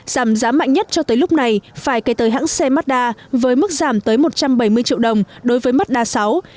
giảm giá mạnh nhất cho tới lúc này phải kể tới hãng xe mazda với mức giảm tới một trăm bảy mươi triệu đồng đối với mazda sáu